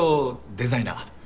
デザイナー。